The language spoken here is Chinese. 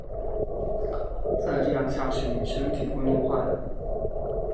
再这样下去妳身体会弄坏的